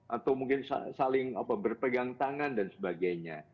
atau mungkin saling berpegang tangan dan sebagainya